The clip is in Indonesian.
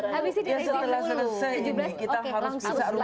habis ini dari dua ribu tujuh belas